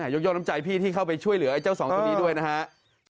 ยกย่องน้ำใจพี่ที่เข้าไปช่วยเหลือไอ้เจ้าสองตัวนี้ด้วยนะครับ